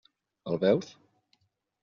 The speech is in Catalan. El veus?